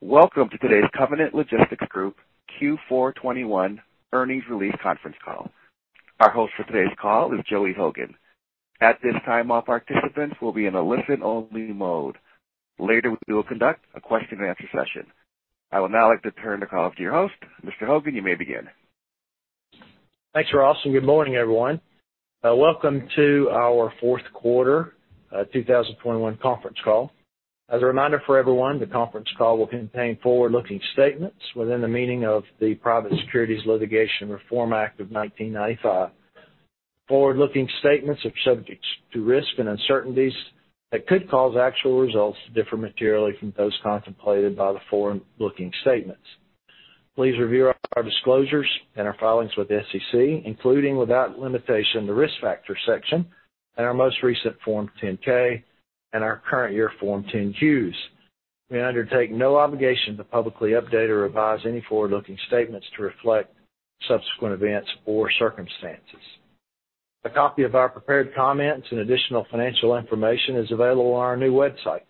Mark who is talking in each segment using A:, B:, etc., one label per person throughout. A: Welcome to today's Covenant Logistics Group Q4 2021 earnings release conference call. Our host for today's call is Joey Hogan. At this time, all participants will be in a listen-only mode. Later, we will conduct a question-and-answer session. I would now like to turn the call over to your host. Mr. Hogan, you may begin.
B: Thanks, Ross, and good morning, everyone. Welcome to our fourth quarter 2021 conference call. As a reminder for everyone, the conference call will contain forward-looking statements within the meaning of the Private Securities Litigation Reform Act of 1995. Forward-looking statements are subject to risk and uncertainties that could cause actual results to differ materially from those contemplated by the forward-looking statements. Please review our disclosures and our filings with the SEC, including, without limitation, the Risk Factors section in our most recent Form 10-K and our current year Form 10-Qs. We undertake no obligation to publicly update or revise any forward-looking statements to reflect subsequent events or circumstances. A copy of our prepared comments and additional financial information is available on our new website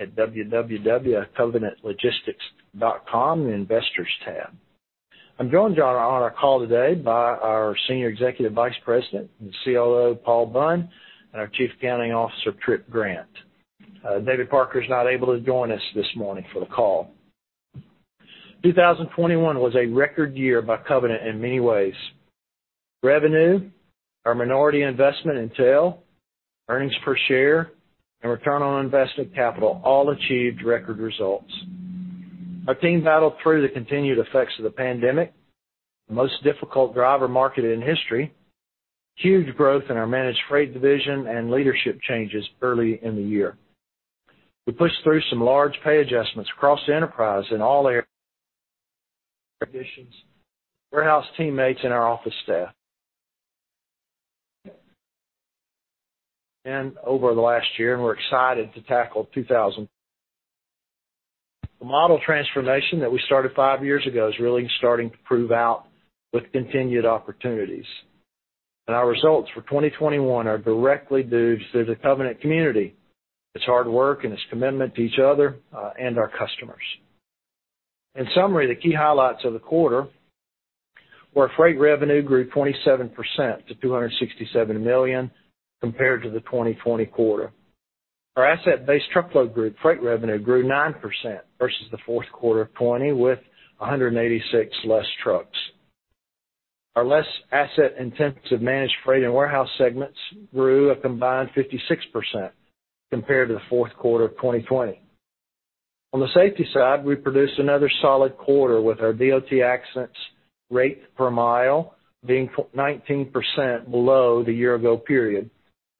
B: at www.covenantlogistics.com in the Investors tab. I'm joined on our call today by our Senior Executive Vice President and COO, Paul Bunn, and our Chief Accounting Officer, Tripp Grant. David Parker's not able to join us this morning for the call. 2021 was a record year by Covenant in many ways. Revenue, our minority investment in Transport Enterprise Leasing, earnings per share, and return on invested capital all achieved record results. Our team battled through the continued effects of the pandemic, the most difficult driver market in history, huge growth in our managed freight division, and leadership changes early in the year. We pushed through some large pay adjustments across the enterprise in all areas conditions, warehouse teammates, and our office staff. Over the last year, we're excited to tackle 2022. The model transformation that we started five years ago is really starting to prove out with continued opportunities. Our results for 2021 are directly due to the Covenant community, its hard work, and its commitment to each other, and our customers. In summary, the key highlights of the quarter were freight revenue grew 27% to $267 million compared to the 2020 quarter. Our asset-based truckload group freight revenue grew 9% versus the fourth quarter of 2020 with 186 less trucks. Our less asset-intensive managed freight and warehouse segments grew a combined 56% compared to the fourth quarter of 2020. On the safety side, we produced another solid quarter with our DOT accidents rate per mile being 19% below the year ago period,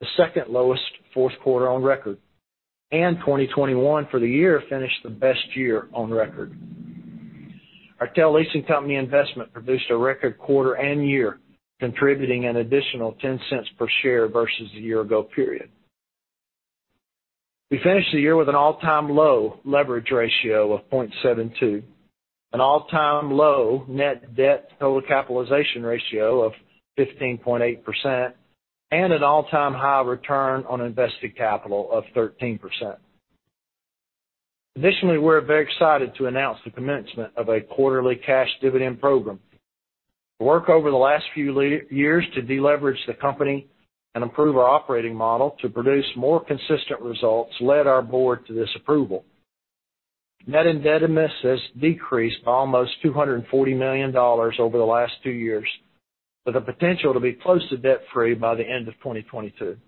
B: the second lowest fourth quarter on record. 2021 for the year finished the best year on record. Our Transport Enterprise Leasing investment produced a record quarter and year, contributing an additional $0.10 per share versus the year ago period. We finished the year with an all-time low leverage ratio of 0.72, an all-time low net debt total capitalization ratio of 15.8%, and an all-time high return on invested capital of 13%. Additionally, we're very excited to announce the commencement of a quarterly cash dividend program. The work over the last few years to deleverage the company and improve our operating model to produce more consistent results led our board to this approval. Net indebtedness has decreased by almost $240 million over the last two years, with the potential to be close to debt-free by the end of 2022.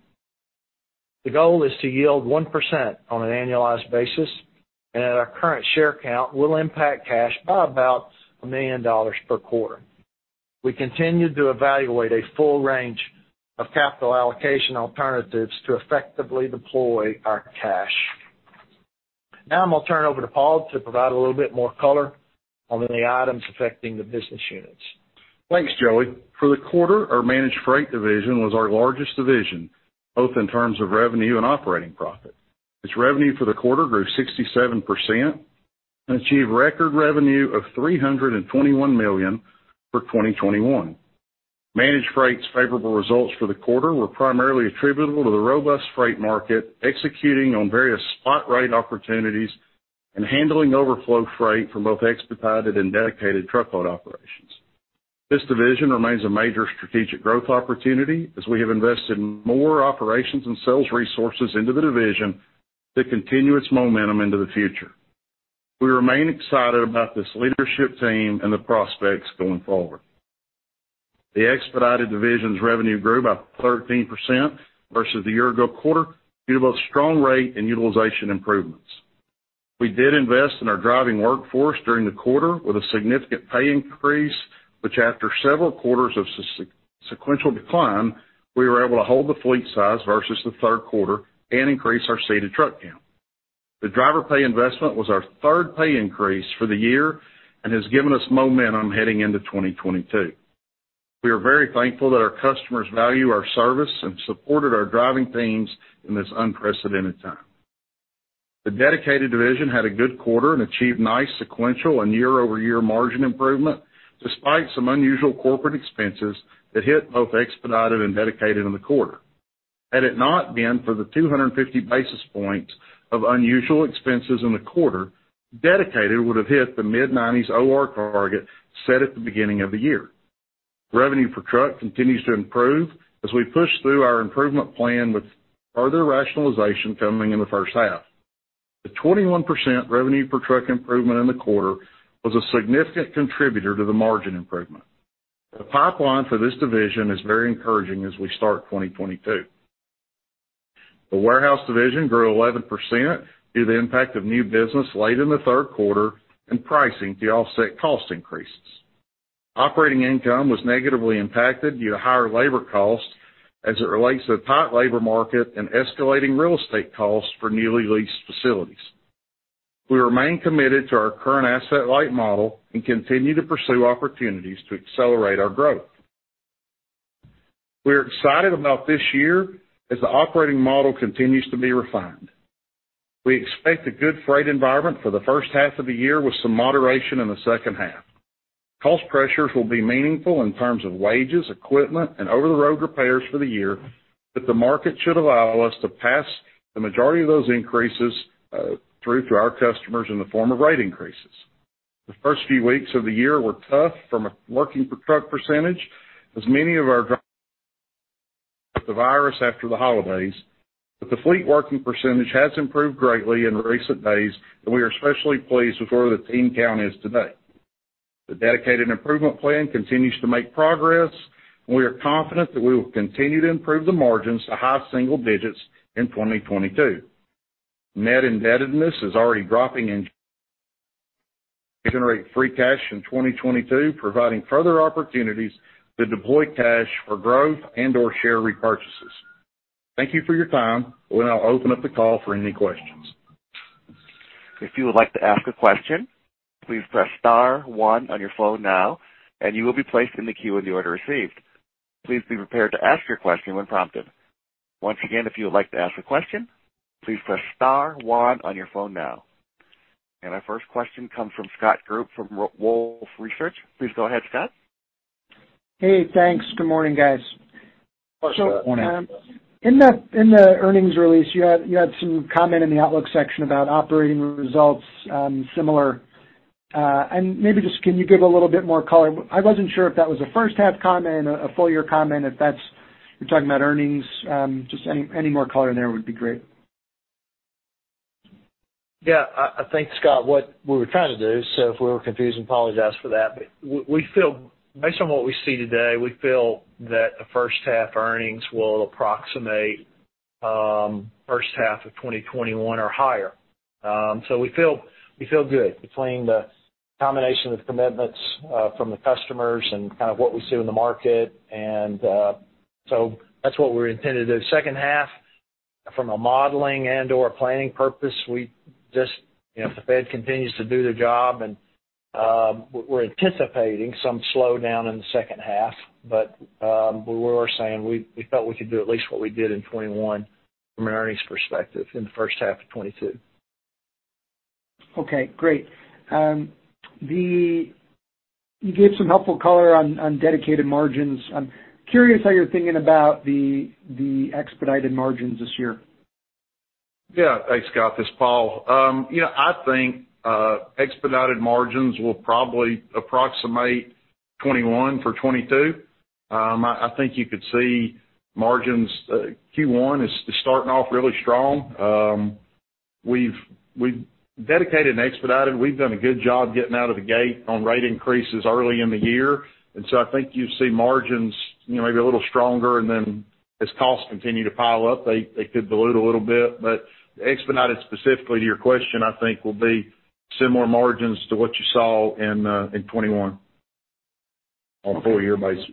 B: The goal is to yield 1% on an annualized basis, and at our current share count will impact cash by about $1 million per quarter. We continue to evaluate a full range of capital allocation alternatives to effectively deploy our cash. Now I'm gonna turn it over to Paul to provide a little bit more color on the items affecting the business units.
C: Thanks, Joey. For the quarter, our managed freight division was our largest division, both in terms of revenue and operating profit. Its revenue for the quarter grew 67% and achieved record revenue of $321 million for 2021. Managed Freight's favorable results for the quarter were primarily attributable to the robust freight market, executing on various spot rate opportunities, and handling overflow freight for both expedited and dedicated truckload operations. This division remains a major strategic growth opportunity as we have invested more operations and sales resources into the division to continue its momentum into the future. We remain excited about this leadership team and the prospects going forward. The expedited division's revenue grew by 13% versus the year ago quarter due to both strong rate and utilization improvements. We did invest in our driving workforce during the quarter with a significant pay increase, which after several quarters of sequential decline, we were able to hold the fleet size versus the third quarter and increase our seated truck count. The driver pay investment was our third pay increase for the year and has given us momentum heading into 2022. We are very thankful that our customers value our service and supported our driving teams in this unprecedented time. The dedicated division had a good quarter and achieved nice sequential and year-over-year margin improvement. Despite some unusual corporate expenses that hit both expedited and dedicated in the quarter. Had it not been for the 250 basis points of unusual expenses in the quarter, dedicated would have hit the mid-90s OR target set at the beginning of the year. Revenue per truck continues to improve as we push through our improvement plan, with further rationalization coming in the first half. The 21% revenue per truck improvement in the quarter was a significant contributor to the margin improvement. The pipeline for this division is very encouraging as we start 2022. The warehouse division grew 11% due to the impact of new business late in the third quarter and pricing to offset cost increases. Operating income was negatively impacted due to higher labor costs as it relates to the tight labor market and escalating real estate costs for newly leased facilities. We remain committed to our current asset light model and continue to pursue opportunities to accelerate our growth. We are excited about this year as the operating model continues to be refined. We expect a good freight environment for the first half of the year with some moderation in the second half. Cost pressures will be meaningful in terms of wages, equipment, and over-the-road repairs for the year, but the market should allow us to pass the majority of those increases through to our customers in the form of rate increases. The first few weeks of the year were tough from a working per truck percentage, as many of our drivers were impacted by the virus after the holidays. The fleet working percentage has improved greatly in recent days, and we are especially pleased with where the team count is today. The dedicated improvement plan continues to make progress, and we are confident that we will continue to improve the margins to high single digits in 2022. Net indebtedness is already dropping and should generate free cash in 2022, providing further opportunities to deploy cash for growth and/or share repurchases. Thank you for your time. We'll now open up the call for any questions.
A: Our first question comes from Scott Group from Wolfe Research. Please go ahead, Scott.
D: Hey, thanks. Good morning, guys.
C: Good morning.
D: In the earnings release you had some comment in the outlook section about operating results, similar, and maybe just can you give a little bit more color? I wasn't sure if that was a first half comment, a full year comment, if that's. You're talking about earnings. Just any more color in there would be great.
C: Yeah. I think, Scott, what we were trying to do. If we were confusing, apologize for that, but we feel based on what we see today, we feel that the first half earnings will approximate first half of 2021 or higher. We feel good between the combination of commitments from the customers and kind of what we see in the market. That's what we're intending to do. Second half from a modeling and/or planning purpose, we just you know, if the Fed continues to do their job and we're anticipating some slowdown in the second half. We were saying we felt we could do at least what we did in 2021 from an earnings perspective in the first half of 2022.
D: Okay, great. You gave some helpful color on dedicated margins. I'm curious how you're thinking about the expedited margins this year.
C: Yeah. Thanks, Scott, this is Paul. You know, I think expedited margins will probably approximate 21% for 2022. I think you could see margins. Q1 is starting off really strong. We've dedicated and expedited. We've done a good job getting out of the gate on rate increases early in the year. I think you see margins, you know, maybe a little stronger. As costs continue to pile up, they could dilute a little bit. Expedited, specifically to your question, I think will be similar margins to what you saw in 2021 on a full year basis.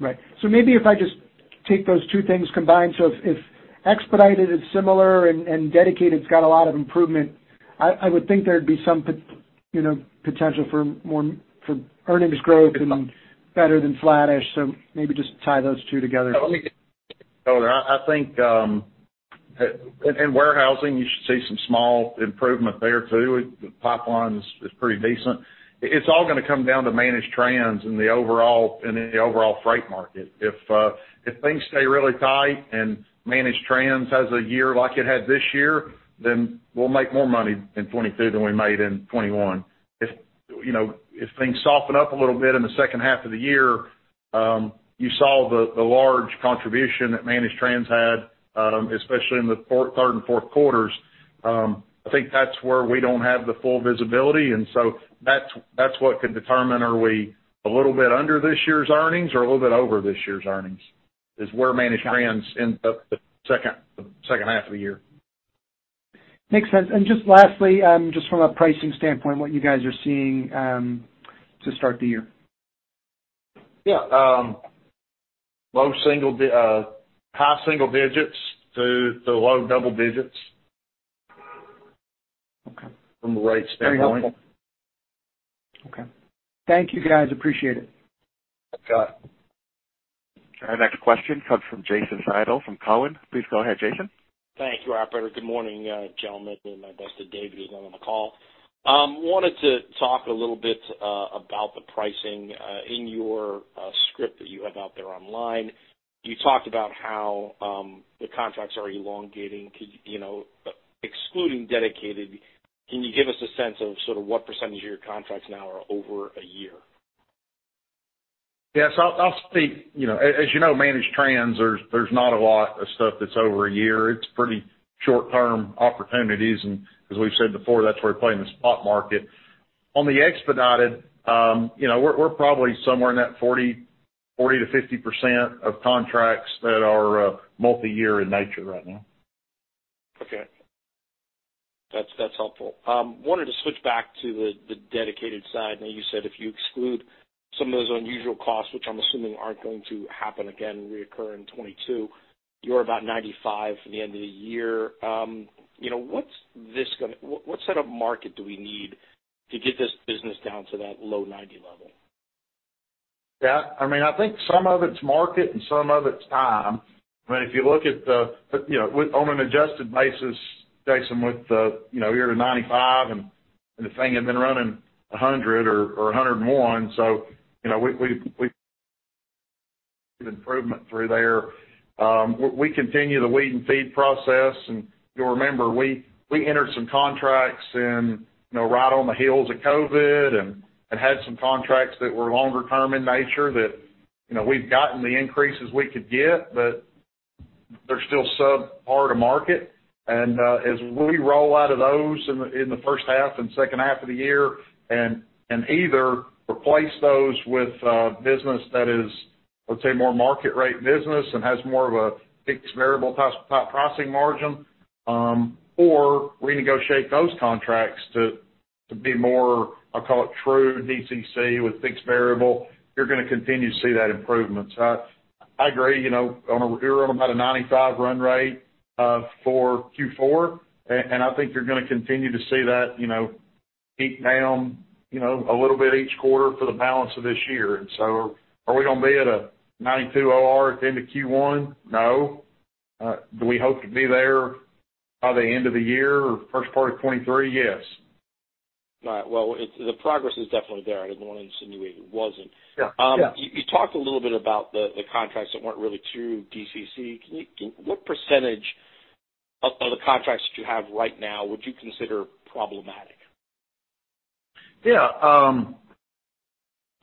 D: Right. Maybe if I just take those two things combined. If expedited is similar and dedicated's got a lot of improvement, I would think there'd be some you know, potential for more, for earnings growth and better than flattish. Maybe just tie those two together.
C: I think in warehousing, you should see some small improvement there too. Pipeline is pretty decent. It's all gonna come down to managed trans in the overall freight market. If things stay really tight and managed trans has a year like it had this year, then we'll make more money in 2022 than we made in 2021. If you know, if things soften up a little bit in the second half of the year, you saw the large contribution that managed trans had, especially in the third and fourth quarters. I think that's where we don't have the full visibility and so that's what could determine are we a little bit under this year's earnings or a little bit over this year's earnings, is where managed trans ends up the second half of the year.
D: Makes sense. Just lastly, just from a pricing standpoint, what you guys are seeing to start the year.
C: Yeah. High single digits to low double digits.
D: Okay.
C: From a rate standpoint.
D: Very helpful. Okay. Thank you, guys, appreciate it.
C: Scott.
A: Our next question comes from Jason Seidl from Cowen. Please go ahead, Jason.
E: Thank you, operator. Good morning, gentlemen, and my best to Dave who's not on the call. Wanted to talk a little bit about the pricing. In your script that you have out there online, you talked about how the contracts are elongating. You know, excluding dedicated, can you give us a sense of sort of what percentage of your contracts now are over a year?
C: Yes. I'll speak. You know, as you know, managed trans, there's not a lot of stuff that's over a year. It's pretty short-term opportunities, and as we've said before, that's where we play in the spot market. On the expedited, you know, we're probably somewhere in that 40%-50% of contracts that are multi-year in nature right now.
E: That's helpful. I wanted to switch back to the dedicated side. Now, you said if you exclude some of those unusual costs, which I'm assuming aren't going to reoccur in 2022, you're about 95 for the end of the year. You know, what sort of market do we need to get this business down to that low 90 level?
C: Yeah, I mean, I think some of it's market and some of it's time. I mean, if you look at the, you know, with on an adjusted basis, Jason, with, you know, you're at 95% and the thing had been running 100% or 101%, so, you know, we've improvement through there. We continue the weed and feed process. You'll remember, we entered some contracts in, you know, right on the heels of COVID and had some contracts that were longer term in nature that, you know, we've gotten the increases we could get, but they're still subpar to market. As we roll out of those in the first half and second half of the year and either replace those with business that is, let's say, more market rate business and has more of a fixed variable pricing margin, or renegotiate those contracts to be more, I'll call it true DCC with fixed variable, you're gonna continue to see that improvement. I agree, you know. You're on about a 95% run rate for Q4, and I think you're gonna continue to see that, you know, inch down, you know, a little bit each quarter for the balance of this year. Are we gonna be at a 92% OR at the end of Q1? No. Do we hope to be there by the end of the year or first part of 2023? Yes.
E: All right. Well, it's the progress is definitely there. I didn't wanna insinuate it wasn't.
C: Yeah, yeah.
E: You talked a little bit about the contracts that weren't really true DCC. What percentage of the contracts that you have right now would you consider problematic?
C: Yeah. 30%,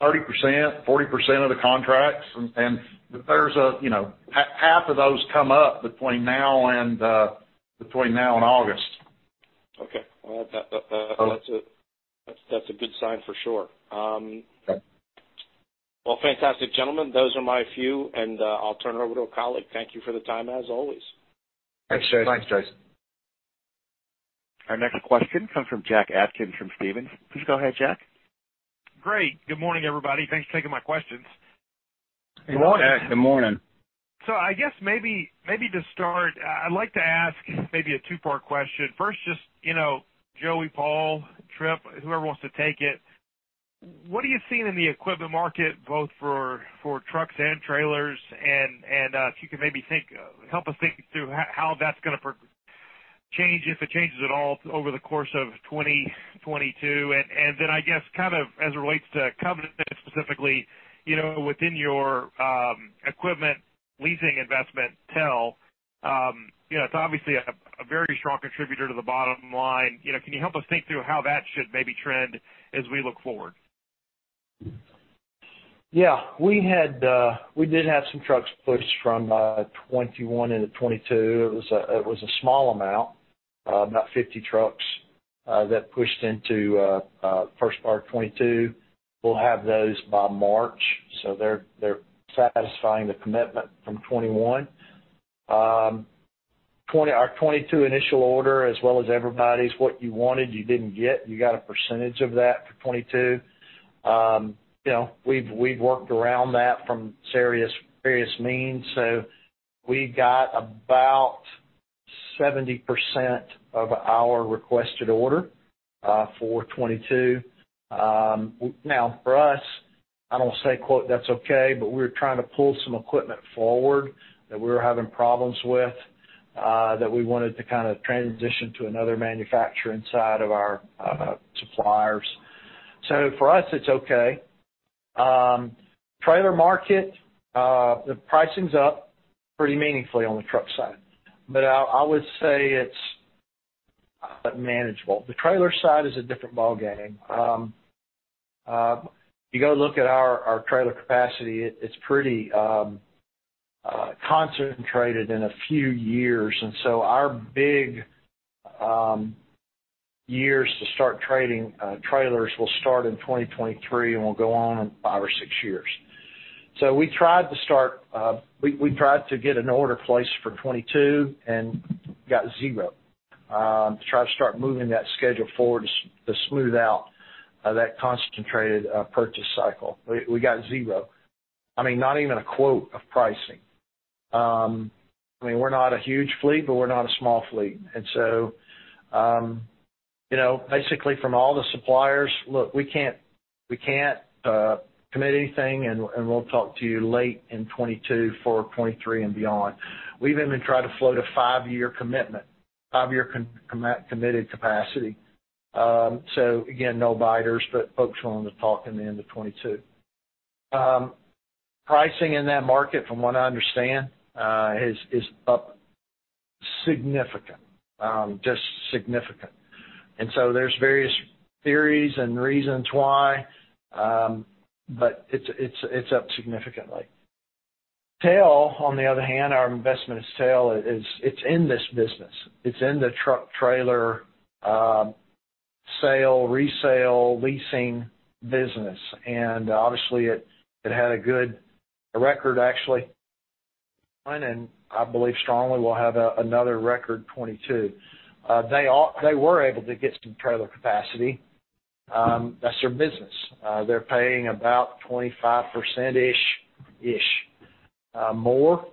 C: 40% of the contracts. There's, you know, half of those come up between now and August.
E: Okay. Well, that's a good sign for sure.
C: Yeah.
E: Well, fantastic, gentlemen. Those are my few, and, I'll turn it over to a colleague. Thank you for the time, as always.
C: Thanks, Jason.
A: Thanks, Jason. Our next question comes from Jack Atkins from Stephens. Please go ahead, Jack.
F: Great. Good morning, everybody. Thanks for taking my questions.
C: Good morning.
B: Good morning.
F: I guess maybe to start, I'd like to ask maybe a two-part question. First, you know, Joey, Paul, Tripp, whoever wants to take it, what are you seeing in the equipment market, both for trucks and trailers? If you could maybe think, help us think through how that's gonna change, if it changes at all, over the course of 2022. Then I guess kind of as it relates to Covenant specifically, you know, within your equipment leasing investment tell, you know, it's obviously a very strong contributor to the bottom line. You know, can you help us think through how that should maybe trend as we look forward?
B: Yes. We did have some trucks pushed from 2021 into 2022. It was a small amount about 50 trucks that pushed into first part of 2022. We'll have those by March, so they're satisfying the commitment from 2021. Our 2022 initial order, as well as everybody's, what you wanted, you didn't get. You got a percentage of that for 2022. You know, we've worked around that from various means. We got about 70% of our requested order for 2022. Now, for us, I don't say quote, "That's okay," but we're trying to pull some equipment forward that we were having problems with that we wanted to kind of transition to another manufacturer inside of our suppliers. For us, it's okay. Trailer market, the pricing's up pretty meaningfully on the truck side, but I would say it's manageable. The trailer side is a different ballgame. You go look at our trailer capacity, it's pretty concentrated in a few years. Our big years to start trading trailers will start in 2023 and will go on 5 or 6 years. We tried to get an order placed for 2022 and got zero to try to start moving that schedule forward to smooth out that concentrated purchase cycle. We got zero. I mean, not even a quote of pricing. I mean, we're not a huge fleet, but we're not a small fleet. You know, basically from all the suppliers, look, we can't commit anything, and we'll talk to you late in 2022 for 2023 and beyond. We've even tried to float a five-year commitment, five-year committed capacity. Again, no biters, but folks willing to talk in the end of 2022. Pricing in that market, from what I understand, is up significant, just significant. There's various theories and reasons why, but it's up significantly. TEL, on the other hand, our investment is TEL, it's in this business. It's in the truck trailer sale, resale, leasing business. Obviously, it had a good record actually. I believe strongly we'll have another record 2022. They were able to get some trailer capacity. That's their business. They're paying about 25%ish more,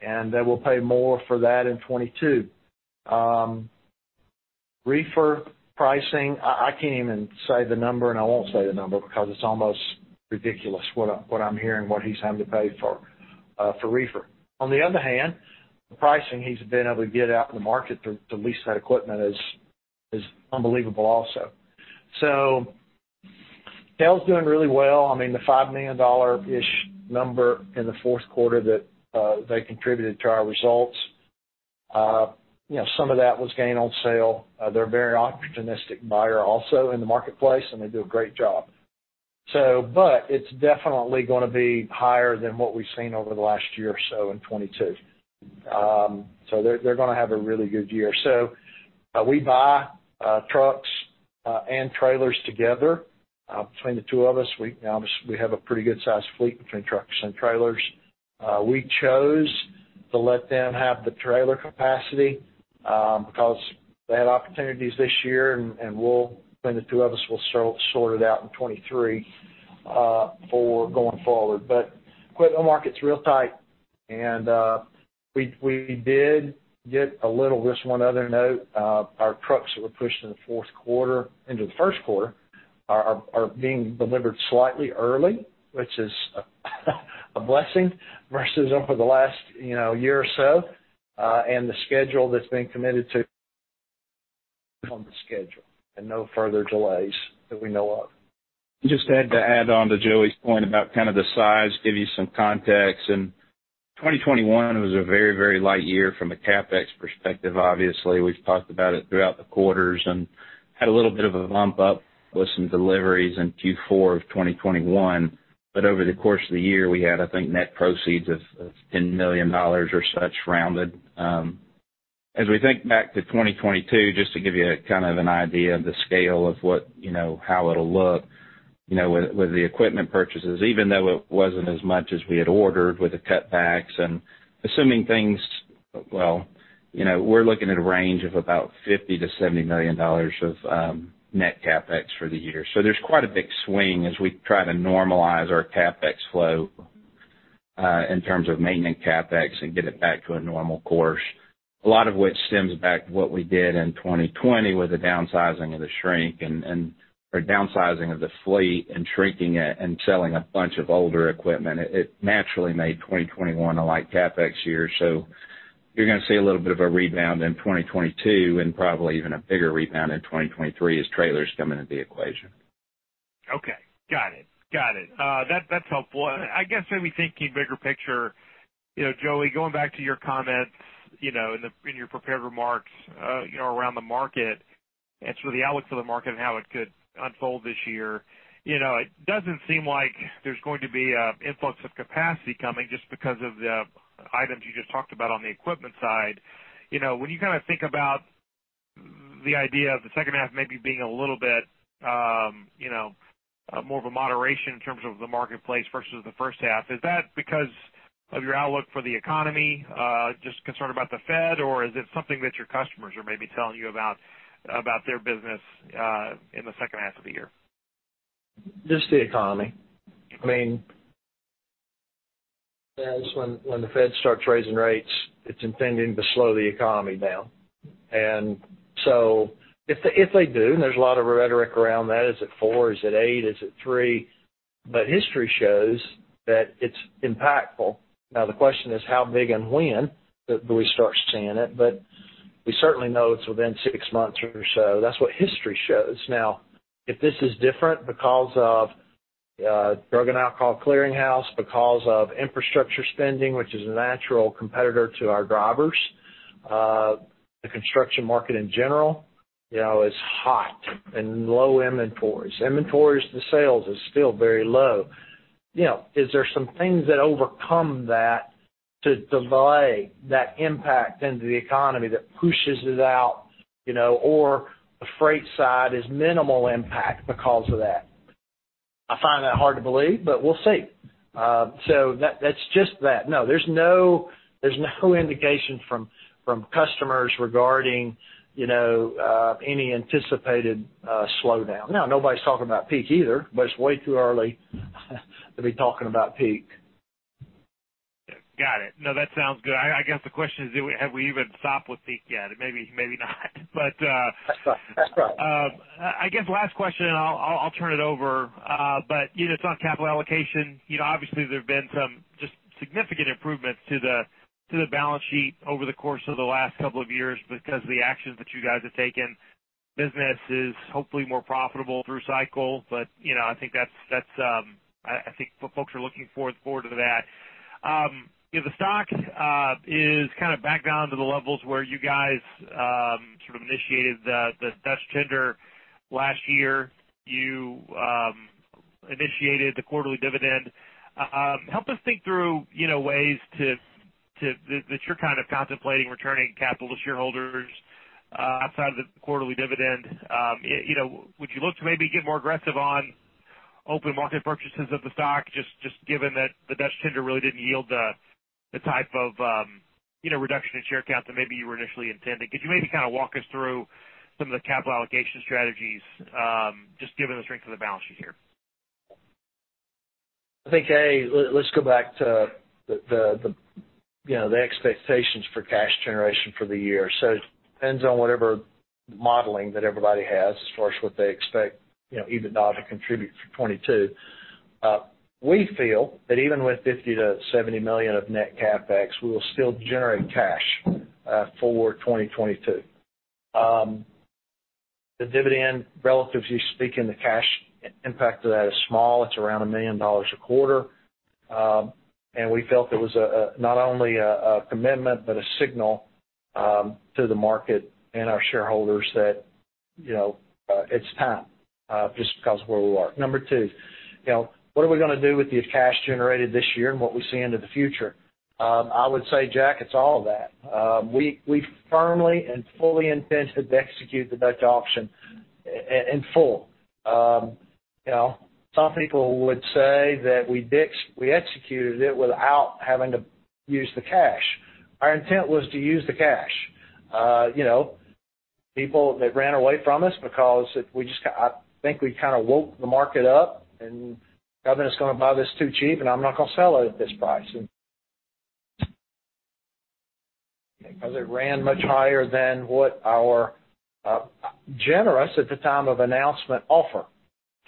B: and they will pay more for that in 2022. Reefer pricing, I can't even say the number, and I won't say the number because it's almost ridiculous what I'm hearing what he's having to pay for reefer. On the other hand, the pricing he's been able to get out in the market to lease that equipment is unbelievable also. TEL's doing really well. I mean, the $5 million-ish number in the fourth quarter that they contributed to our results, you know, some of that was gain on sale. They're a very opportunistic buyer also in the marketplace, and they do a great job. But it's definitely gonna be higher than what we've seen over the last year or so in 2022. They're gonna have a really good year. We buy trucks and trailers together. Between the two of us, we obviously have a pretty good size fleet between trucks and trailers. We chose to let them have the trailer capacity because they had opportunities this year, and between the two of us, we'll sort it out in 2023 for going forward. Equipment market's real tight. Just one other note, our trucks that were pushed in the fourth quarter into the first quarter are being delivered slightly early, which is a blessing versus over the last year or so. The schedule that's been committed to on the schedule and no further delays that we know of.
G: Just had to add on to Joey's point about kind of the size, give you some context. In 2021, it was a very, very light year from a CapEx perspective, obviously. We've talked about it throughout the quarters and had a little bit of a bump up with some deliveries in Q4 of 2021. Over the course of the year, we had, I think, net proceeds of ten million dollars or such rounded. As we think back to 2022, just to give you kind of an idea of the scale of what, you know, how it'll look, you know, with the equipment purchases, even though it wasn't as much as we had ordered with the cutbacks and assuming things well, you know, we're looking at a range of about $50 million-$70 million of net CapEx for the year. There's quite a big swing as we try to normalize our CapEx flow in terms of maintenance CapEx and get it back to a normal course. A lot of which stems back to what we did in 2020 with the downsizing of the fleet and shrinking it and selling a bunch of older equipment. It naturally made 2021 a light CapEx year. You're gonna see a little bit of a rebound in 2022 and probably even a bigger rebound in 2023 as trailers come into the equation.
F: Okay. Got it. That's helpful. I guess when we're thinking bigger picture, you know, Joey, going back to your comments, you know, in your prepared remarks, you know, around the market and sort of the outlook for the market and how it could unfold this year, you know, it doesn't seem like there's going to be an influx of capacity coming just because of the items you just talked about on the equipment side. You know, when you kind of think about the idea of the second half maybe being a little bit, you know, more of a moderation in terms of the marketplace versus the first half, is that because of your outlook for the economy, just concerned about the Fed, or is it something that your customers are maybe telling you about their business in the second half of the year?
B: Just the economy. I mean, when the Fed starts raising rates, it's intending to slow the economy down. If they do, and there's a lot of rhetoric around that, is it four? Is it eight? Is it three? History shows that it's impactful. Now, the question is how big and when do we start seeing it? We certainly know it's within six months or so. That's what history shows. Now, if this is different because of Drug and Alcohol Clearinghouse, because of infrastructure spending, which is a natural competitor to our drivers, the construction market in general, you know, is hot and low inventories. Inventories to sales is still very low. You know, is there some things that overcome that to delay that impact into the economy that pushes it out, you know, or the freight side is minimal impact because of that? I find that hard to believe, but we'll see. That's just that. No, there's no indication from customers regarding, you know, any anticipated slowdown. Now, nobody's talking about peak either, but it's way too early to be talking about peak.
F: No, that sounds good. I guess the question is, have we even stopped with peak yet? Maybe, maybe not.
B: That's right.
F: I guess last question, and I'll turn it over. You know, it's on capital allocation. You know, obviously, there have been some just significant improvements to the balance sheet over the course of the last couple of years because the actions that you guys have taken. Business is hopefully more profitable through cycle. You know, I think that's. I think folks are looking forward to that. You know, the stock is kind of back down to the levels where you guys sort of initiated the Dutch tender last year. You initiated the quarterly dividend. Help us think through, you know, ways that you're kind of contemplating returning capital to shareholders, outside of the quarterly dividend. You know, would you look to maybe get more aggressive on open market purchases of the stock, just given that the Dutch tender really didn't yield the type of, you know, reduction in share count that maybe you were initially intending? Could you maybe kind of walk us through some of the capital allocation strategies, just given the strength of the balance sheet here?
B: I think, let's go back to you know, the expectations for cash generation for the year. Depends on whatever modeling that everybody has as far as what they expect, you know, even now to contribute for 2022. We feel that even with $50 million-$70 million of net CapEx, we will still generate cash for 2022. The dividend, relatively speaking, the cash impact to that is small. It's around $1 million a quarter. We felt it was not only a commitment, but a signal to the market and our shareholders that, you know, it's time just because of where we are. Number two, you know, what are we gonna do with the cash generated this year and what we see into the future? I would say, Jack, it's all of that. We firmly and fully intended to execute the Dutch auction in full. You know, some people would say that we executed it without having to use the cash. Our intent was to use the cash. You know, people, they ran away from us because we just, I think, we kind of woke the market up, and Covenant's gonna buy this too cheap, and I'm not gonna sell it at this price because it ran much higher than what our generous, at the time of announcement, offer.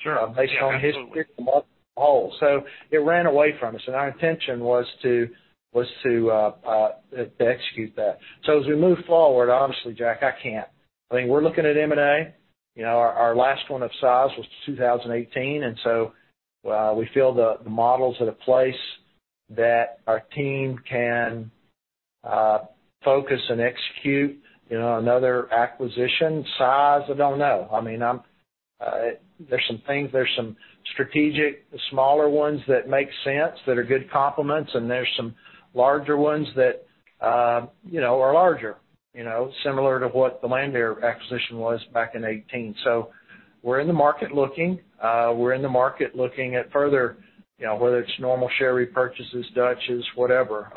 F: Sure. Yeah, absolutely.
B: Based on history though. It ran away from us, and our intention was to execute that. As we move forward, obviously, Jack, I can't. I mean, we're looking at M&A. You know, our last one of size was 2018, and we feel the model's at a place that our team can focus and execute, you know, another acquisition size. I don't know. I mean, there's some things, there's some strategic smaller ones that make sense, that are good complements, and there's some larger ones that, you know, are larger, you know. Similar to what the Landair acquisition was back in 2018. We're in the market looking. We're in the market looking at further, you know, whether it's normal share repurchases, Dutchs, whatever.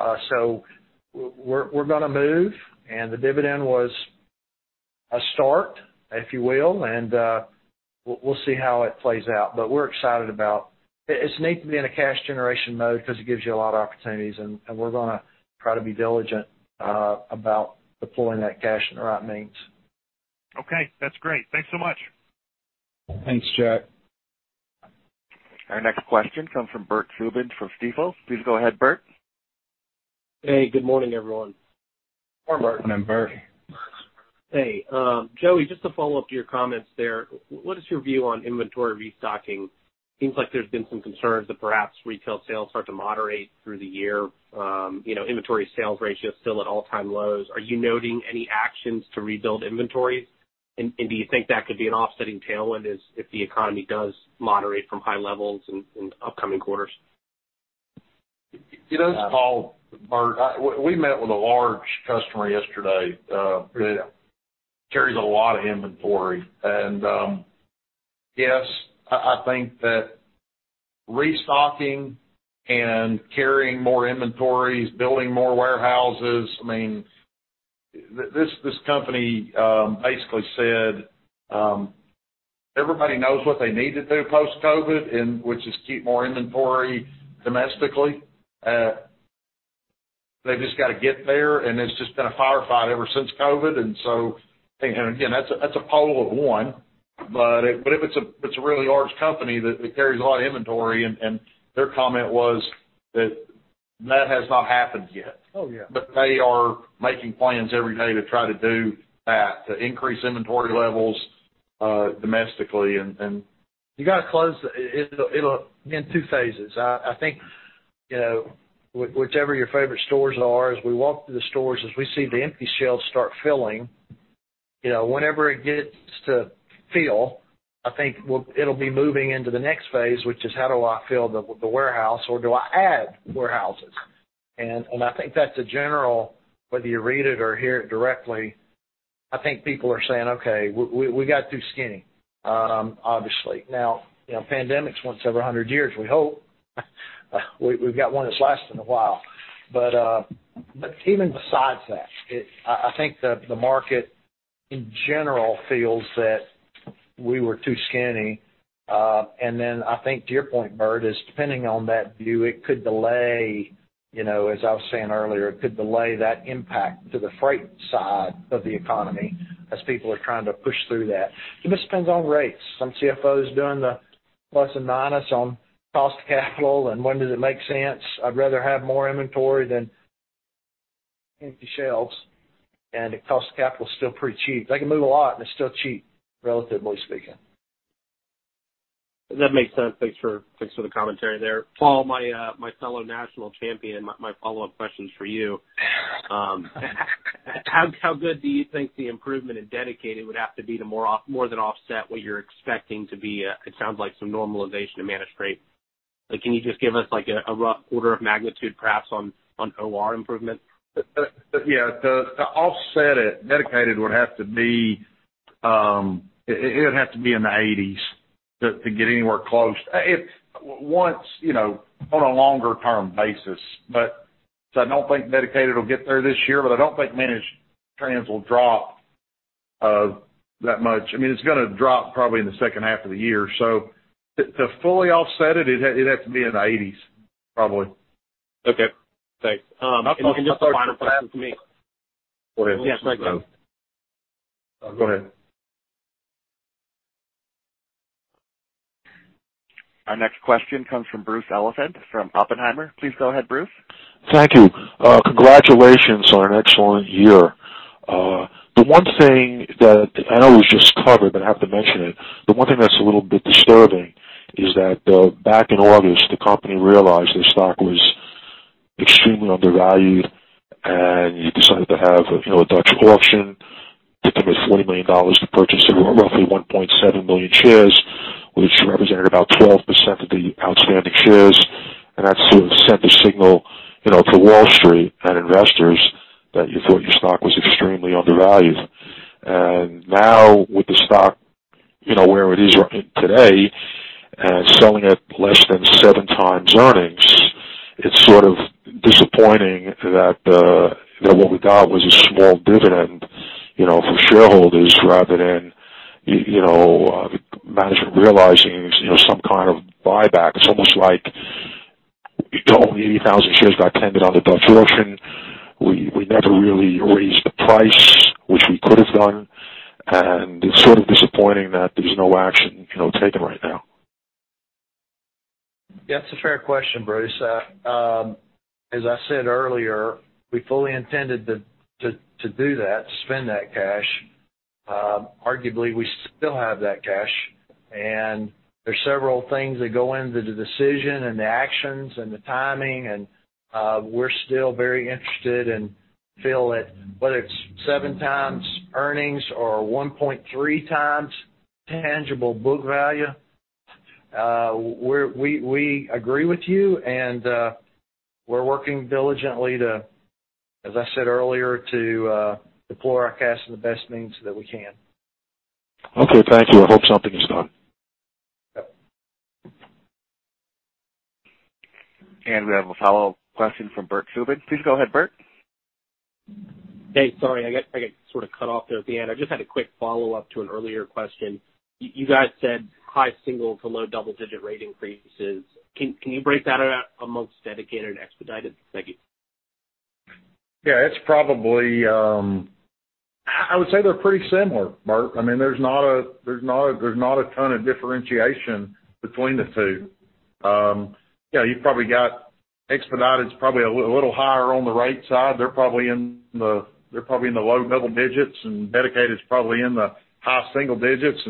B: We're gonna move, and the dividend was a start, if you will, and we'll see how it plays out. We're excited about it. It's neat to be in a cash generation mode because it gives you a lot of opportunities, and we're gonna try to be diligent about deploying that cash in the right means.
F: Okay, that's great. Thanks so much.
B: Thanks, Jack.
A: Our next question comes from Bert Subin from Stifel. Please go ahead, Bert.
H: Hey, good morning, everyone.
B: Morning, Bert.
C: Morning, Bert.
H: Hey. Joey, just to follow up to your comments there, what is your view on inventory restocking? Seems like there's been some concerns that perhaps retail sales start to moderate through the year. You know, inventory sales ratio is still at all-time lows. Are you noting any actions to rebuild inventories? Do you think that could be an offsetting tailwind as if the economy does moderate from high levels in upcoming quarters?
B: You know, Bert, we met with a large customer yesterday that carries a lot of inventory. Yes, I think that restocking and carrying more inventories, building more warehouses. I mean, this company basically said, everybody knows what they need to do post-COVID, which is keep more inventory domestically. They've just gotta get there, and it's just been a firefight ever since COVID. Again, that's a poll of one, but if it's a really large company that it carries a lot of inventory, and their comment was that that has not happened yet.
H: Oh, yeah.
B: They are making plans every day to try to do that, to increase inventory levels, domestically. It'll in two phases. I think, you know, whichever your favorite stores are, as we walk through the stores, as we see the empty shelves start filling, you know, whenever it gets to fill, I think it'll be moving into the next phase, which is how do I fill the warehouse or do I add warehouses? I think that's a general, whether you read it or hear it directly, I think people are saying, "Okay, we got too skinny," obviously. Now, you know, pandemics once every hundred years, we hope. We've got one that's lasting a while. Even besides that, I think the market in general feels that We were too skinny. I think to your point, Bert, is depending on that view, it could delay, you know, as I was saying earlier, it could delay that impact to the freight side of the economy as people are trying to push through that. It just depends on rates. Some CFOs doing the plus and minus on cost of capital and when does it make sense. I'd rather have more inventory than empty shelves. The cost of capital is still pretty cheap. They can move a lot, and it's still cheap, relatively speaking.
H: That makes sense. Thanks for the commentary there. Paul, my fellow national champion, my follow-up question is for you. How good do you think the improvement in dedicated would have to be to more than offset what you're expecting to be, it sounds like some normalization in managed freight. Like, can you just give us, like, a rough order of magnitude perhaps on OR improvement?
C: Yeah. To offset it, dedicated would have to be. It would have to be in the eighties to get anywhere close. Once, you know, on a longer-term basis. I don't think dedicated will get there this year, but I don't think managed trans will drop that much. I mean, it's gonna drop probably in the second half of the year. To fully offset it'd have to be in the eighties probably.
H: Okay. Thanks. Can you just.
B: Go ahead.
A: Our next question comes from Bruce Olephant from Oppenheimer. Please go ahead, Bruce.
I: Thank you. Congratulations on an excellent year. The one thing that I know was just covered, but I have to mention it, the one thing that's a little bit disturbing is that, back in August, the company realized their stock was extremely undervalued, and you decided to have, you know, a Dutch auction. It took me $40 million to purchase roughly 1.7 million shares, which represented about 12% of the outstanding shares. That sort of sent a signal, you know, to Wall Street and investors that you thought your stock was extremely undervalued. Now with the stock, you know, where it is today and selling at less than 7x earnings, it's sort of disappointing that what we got was a small dividend, you know, for shareholders rather than you know management realizing, you know, some kind of buyback. It's almost like the only 80,000 shares got tendered on the Dutch auction. We never really raised the price, which we could have done, and it's sort of disappointing that there's no action, you know, taken right now.
B: Yeah, it's a fair question, Bruce. As I said earlier, we fully intended to do that, spend that cash. Arguably, we still have that cash. There's several things that go into the decision and the actions and the timing. We're still very interested and feel it, whether it's 7x earnings or 1.3x tangible book value, we agree with you and we're working diligently to, as I said earlier, to deploy our cash in the best means that we can.
I: Okay, thank you. I hope something is done.
B: Yep.
A: We have a follow-up question from Bert Subin. Please go ahead, Bert.
H: Hey, sorry. I got sort of cut off there at the end. I just had a quick follow-up to an earlier question. You guys said high single- to low double-digit rate increases. Can you break that out among dedicated and expedited? Thank you.
C: Yeah, it's probably. I would say they're pretty similar, Bert. I mean, there's not a ton of differentiation between the two. You know, you probably got expedited, it's probably a little higher on the rate side. They're probably in the low double digits, and dedicated is probably in the high single digits.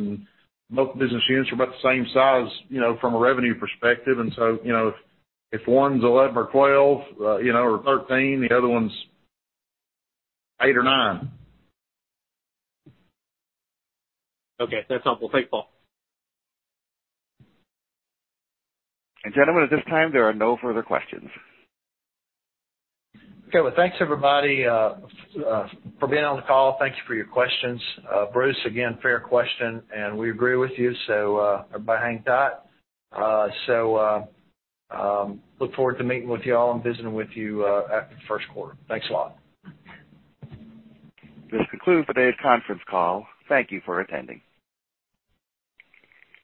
C: Both business units are about the same size, you know, from a revenue perspective. You know, if one's 11% or 12%, or 13%, the other's 8% or 9%.
H: Okay. That's helpful. Thanks, Paul.
A: Gentlemen, at this time, there are no further questions.
B: Okay. Well, thanks, everybody, for being on the call. Thank you for your questions. Bruce, again, fair question, and we agree with you. Everybody hang tight. We look forward to meeting with you all and visiting with you after the first quarter. Thanks a lot.
A: This concludes today's conference call. Thank you for attending.